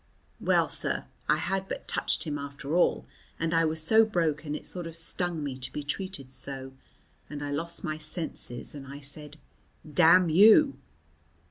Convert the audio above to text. Well, sir, I had but touched him after all, and I was so broken it sort of stung me to be treated so and I lost my senses, and I said, 'Damn you!'"